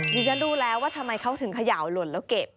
ดิฉันรู้แล้วว่าทำไมเขาถึงเขย่าหล่นแล้วเก็บ